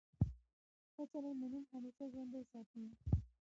ښه چلند مو نوم همېشه ژوندی ساتي.